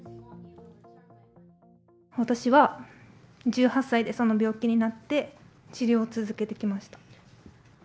私は１８歳でその病気になって、治療を続けてきました。